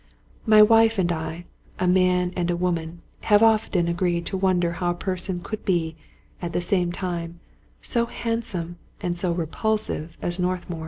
My wife and I, a man and a woman, have often agreed to wonder how a person could be, at the same time, so hand some and so repulsive as Northmour.